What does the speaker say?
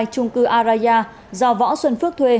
trung cư araya do võ xuân phước thuê